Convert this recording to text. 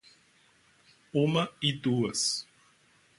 uma e duas